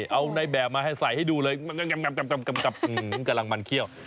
เอาในแบบมาใส่ให้ดูเลยกำศัล่างมันเขี้ยว